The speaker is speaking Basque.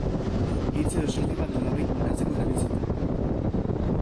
Hitz edo esaldi bat nolabait markatzeko erabiltzen da.